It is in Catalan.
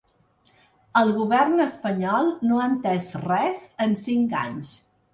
El govern espanyol no ha entès res en cinc anys.